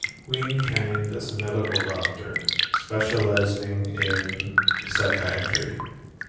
Wing trained as a medical doctor, specialising in psychiatry.